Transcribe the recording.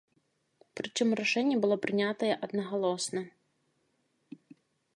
Прычым рашэнне было прынятае аднагалосна.